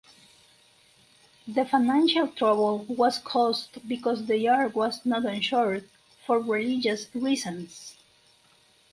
The financial trouble was caused because the yard was not insured for religious reasons.